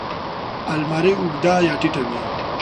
الماري اوږده یا ټیټه وي